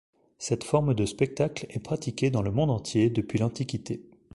Cette forme de spectacle est pratiquée dans le monde entier depuis l'Antiquité.